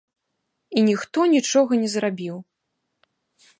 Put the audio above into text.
І ніхто нічога не зрабіў.